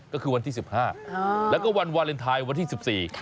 ก็คือวันที่๑๕แล้วก็วันวาเลนไทยวันที่๑๔